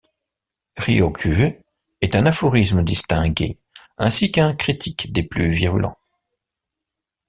Ryokuu est un aphoriste distingué ainsi qu'un critique des plus virulents.